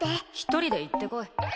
１人で行ってこい。